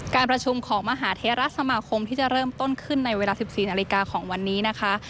การประชุมของมหาเทราสมาคมที่จะเริ่มต้นขึ้นในเวลา๑๔นาฬิกาของวันนี้นะคะ